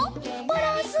バランス。